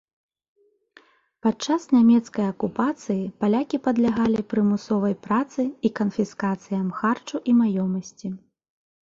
Падчас нямецкай акупацыі палякі падлягалі прымусовай працы і канфіскацыям харчу і маёмасці.